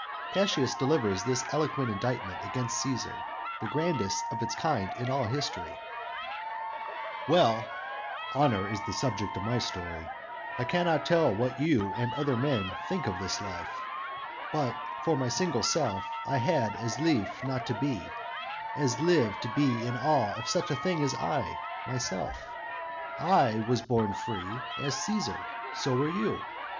Cassius delivers this eloquent indictment against Cæsar, the grandest of its kind in all history: "_Well, Honor is the subject of my story I cannot tell what you and other men Think of this life; but, for my single self, I had as lief not to be, as live to be In awe of such a thing as I, myself. I was born free as Cæsar; so were you.